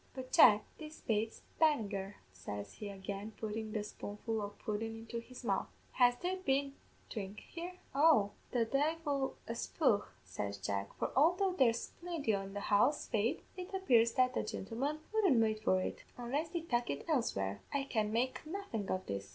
But, Jack, this bates Bannagher,' says he again, puttin' the spoonful o' pudden into his mouth; 'has there been dhrink here?' "'Oh, the divle a spudh,' says Jack, 'for although there's plinty in the house, faith, it appears the gintlemen wouldn't wait for it. Unless they tuck it elsewhere, I can make nothin' of this.'